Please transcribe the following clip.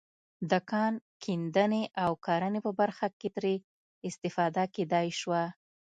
د کان کیندنې او کرنې په برخه کې ترې استفاده کېدای شوه.